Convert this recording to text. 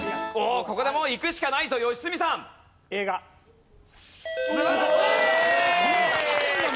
ここでもういくしかないぞ良純さん。素晴らしい！